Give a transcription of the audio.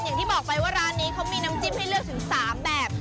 อย่างที่บอกไปว่าร้านนี้เขามีน้ำจิ้มให้เลือกถึง๓แบบ